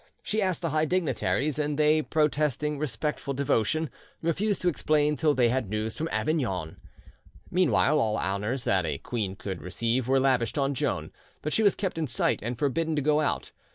She asked the high dignitaries, and they, protesting respectful devotion, refused to explain till they had news from Avignon. Meanwhile all honours that a queen could receive were lavished on Joan; but she was kept in sight and forbidden to go out.